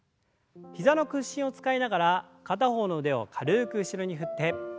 膝の屈伸を使いながら片方の腕を軽く後ろに振って。